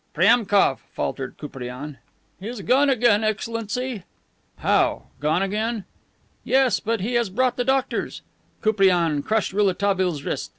"Priemkof?" faltered Koupriane. "He has gone again, Excellency." "How gone again?" "Yes, but he has brought the doctors." Koupriane crushed Rouletabille's wrist.